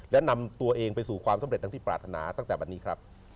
และนำตัวเองไปสู่ความสำเร็จทั้งที่ปรารถนาตั้งแต่วันนี้ครับ